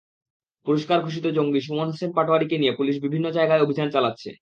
পুরস্কার ঘোষিত জঙ্গি সুমন হোসেন পাটোয়ারিকে নিয়ে পুলিশ বিভিন্ন জায়গায় অভিযান চালাচ্ছে।